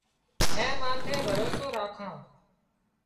اين ماٿي ڀروسو راکان